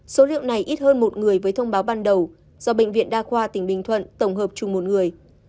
số liệu này ít hơn một người với thông báo ban đầu do bệnh viện đa khoa tỉnh bình thuận tổng hợp chung một người